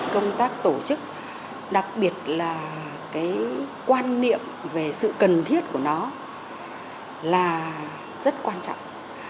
công tác tổ chức đặc biệt là cái quan niệm về sự cần thiết của nó là rất quan trọng